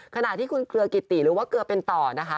ขณะที่คุณเครือกิติหรือว่าเกลือเป็นต่อนะคะ